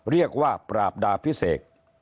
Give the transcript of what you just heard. เรียกว่าปราบดาพิเศษ